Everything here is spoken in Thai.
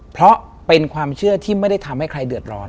เพราะเป็นความเชื่อที่ไม่ได้ทำให้ใครเดือดร้อน